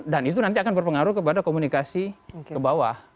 dan itu nanti akan berpengaruh kepada komunikasi ke bawah